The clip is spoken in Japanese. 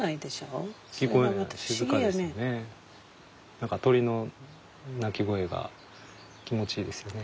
何か鳥の鳴き声が気持ちいいですよね。